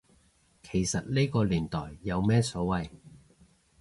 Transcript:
其實呢個年代有咩所謂